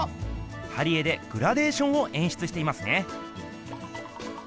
貼り絵でグラデーションをえんしゅつしていますね。